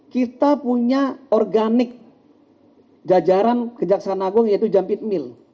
kita punya organik jajaran kejaksaan agung yaitu jumpit mil